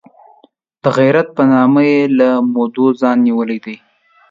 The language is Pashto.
د غیرت په نامه یې له مودو ځان نیولی دی.